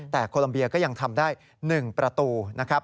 แต่โคลัมเบียก็ยังทำได้๑ประตูนะครับ